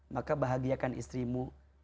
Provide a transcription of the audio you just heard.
maka bahagiakan istrimu